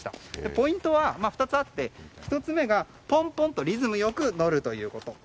ポイントは２つあって１つ目がポンポンとリズムよく乗るということ。